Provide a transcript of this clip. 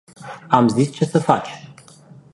Am zis ce sa faci.